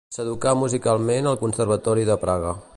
S'educà musicalment al Conservatori de Praga.